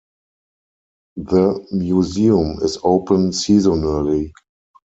The museum is open seasonally.